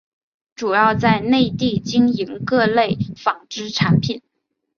主要在内地经营各类纺织产品。